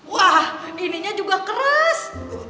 wah ininya juga keras